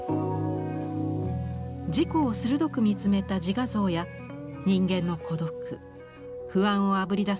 自己を鋭く見つめた自画像や人間の孤独不安をあぶり出す